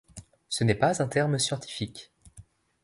Ce n’est pas un terme scientifique.